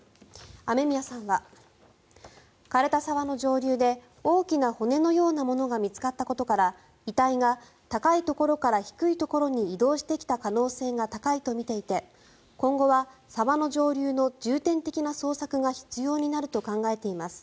雨宮さんは枯れた沢の上流で大きな骨のようなものが見つかったことから遺体が高いところから低いところに移動してきた可能性が高いとみていて今後は沢の上流の重点的な捜索が必要になると考えています。